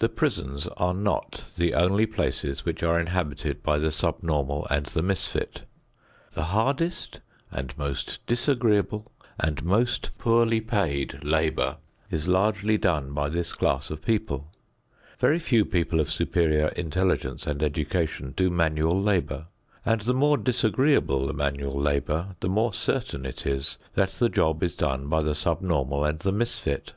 The prisons are not the only places which are inhabited by the sub normal and the misfit. The hardest and most disagreeable and most poorly paid labor is largely done by this class of people. Very few people of superior intelligence and education do manual labor and the more disagreeable the manual labor, the more certain it is that the job is done by the sub normal and the misfit.